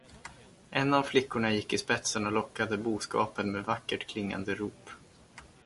En av flickorna gick i spetsen och lockade boskapen med vackert klingande rop.